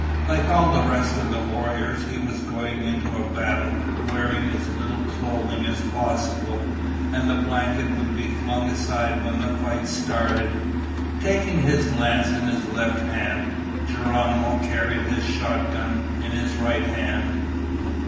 Like all the rest of the warriors, he was going into battle wearing as little clothing as possible, and the blanket would be flung aside when the fight started. Taking his lance in his left hand, Geronimo carried his shotgun in his right hand.